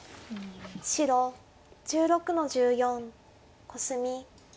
白１６の十四コスミ。